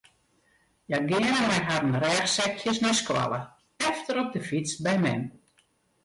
Hja geane mei harren rêchsekjes nei skoalle, efter op de fyts by mem.